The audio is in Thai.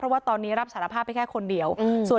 เพราะว่าตอนนี้รับสารภาพไปแค่คนเดียว